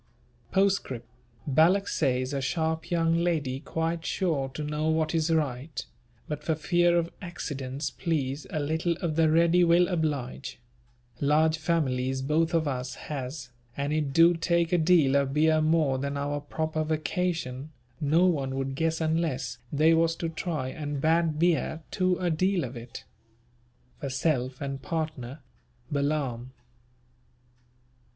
Poscrip. Balak says a sharp young lady quite sure to know what is right, but for fear of accidents please a little of the ready will oblige, large families both of us has and it do take a deal of beer more than our proper vacation no one would guess unless they was to try and bad beer too a deal of it. For self and partner. BALAAM."